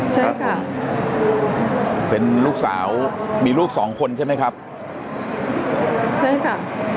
ใช่ค่ะเป็นลูกสาวมีลูกสองคนใช่ไหมครับใช่ค่ะ